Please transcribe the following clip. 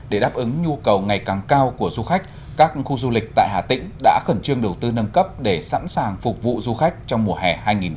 để đáp ứng nhu cầu ngày càng cao của du khách các khu du lịch tại hà tĩnh đã khẩn trương đầu tư nâng cấp để sẵn sàng phục vụ du khách trong mùa hè hai nghìn hai mươi bốn